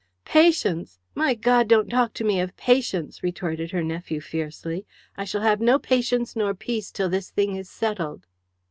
"Patience! My God, don't talk to me of patience," retorted her nephew fiercely. "I shall have no patience nor peace till this thing is settled."